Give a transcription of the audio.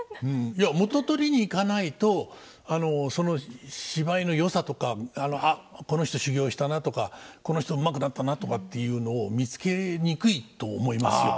いや元取りに行かないとその芝居のよさとか「あっこの人修業したな」とか「この人うまくなったな」とかっていうのを見つけにくいと思いますよ。